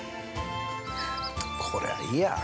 これはいいや。